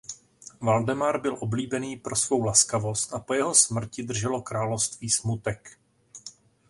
Valdemar byl oblíbený pro svou laskavost a po jeho smrti drželo království smutek.